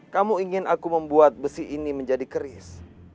kamu ingin aku membuat besi ini menjadi keris